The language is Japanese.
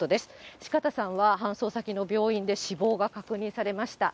四方さんは搬送先の病院で死亡が確認されました。